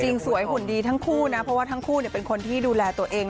สวยหุ่นดีทั้งคู่นะเพราะว่าทั้งคู่เป็นคนที่ดูแลตัวเอง